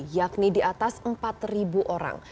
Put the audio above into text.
yakni di atas empat orang